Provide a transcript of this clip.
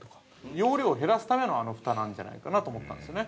容量を減らすためのあのふたなんじゃないかなと思ったんですよね。